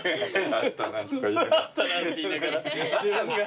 「あったなあ」って言いながら自分が。